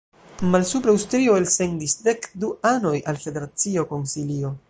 Malsupra Aŭstrio elsendis dek du anoj al federacio konsilio.